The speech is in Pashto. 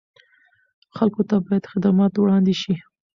خلکو ته باید خدمات وړاندې شي.